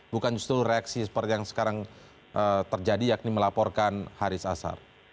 bukan justru reaksi seperti yang sekarang terjadi yakni melaporkan haris asar